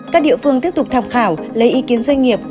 các địa phương tiếp tục tham khảo lấy ý kiến doanh nghiệp